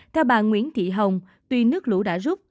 theo bà nguyễn thị hồng tuy nước lũ đã rút